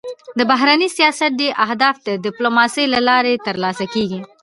د بهرني سیاست ډېری اهداف د ډيپلوماسی له لارې تر لاسه کېږي.